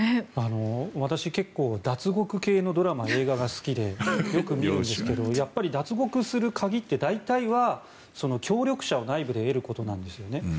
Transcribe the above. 私、結構脱獄系のドラマ、映画が好きでよく見るんですけどやっぱり、脱獄する鍵って大体は協力者を内部で得ることなんですね。